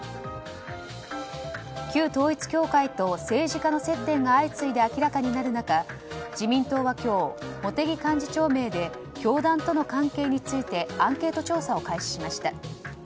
旧統一教会と政治家の接点が相次いで明らかになる中自民党は今日、茂木幹事長名で教団との関係についてアンケート調査を開始しました。